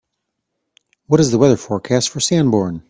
What is the weather forecast for Sanborn